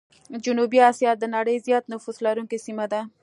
جنوبي آسيا د نړۍ زيات نفوس لرونکي سيمه ده.